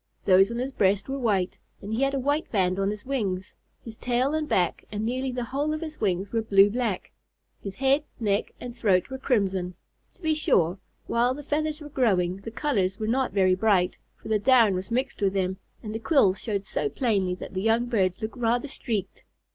Those on his breast were white, and he had a white band on his wings. His tail and back and nearly the whole of his wings were blue black. His head, neck, and throat were crimson. To be sure, while the feathers were growing, the colors were not very bright, for the down was mixed with them, and the quills showed so plainly that the young birds looked rather streaked.